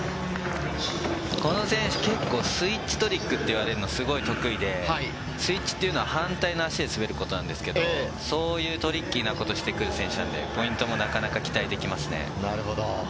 この選手、結構スイッチトリックと言われるの、すごい得意で、スイッチというのは反対の足で滑ることなんですけど、こういうトリッキーなことしてくる選手なんで、ポイントもなかなか期待できますね。